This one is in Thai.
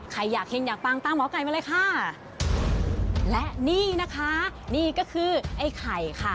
ใครอยากเฮงอยากปังตามหมอไก่มาเลยค่ะและนี่นะคะนี่ก็คือไอ้ไข่ค่ะ